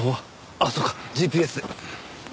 あっそうかＧＰＳで。